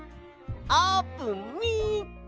あーぷんみっけ！